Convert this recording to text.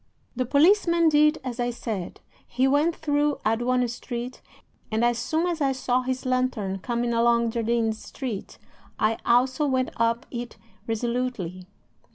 The policeman did as I said. He went through Aduana Street, and as soon as I saw his lantern coming along Jardines Street I also went up it resolutely.